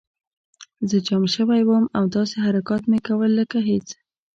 زه جام شوی وم او داسې حرکات مې کول لکه هېڅ